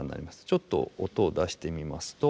ちょっと音を出してみますと。